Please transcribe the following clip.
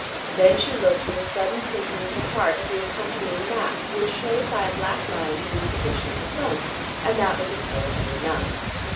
Then she looked with a sudden sinking of the heart at the accompanying map which shewed by a black line the new position of the front, and that was intelligible enough.